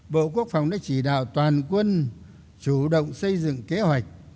bộ quốc phòng đã chỉ đạo toàn quân chủ động xây dựng kế hoạch